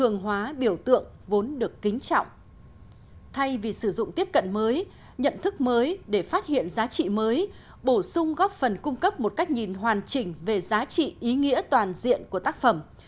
nhân danh tiếp cận mới nhận thức mới để phát hiện giá trị mới bổ sung góp phần cung cấp một cách nhìn hoàn chỉnh về giá trị ý nghĩa toàn diện của tác phẩm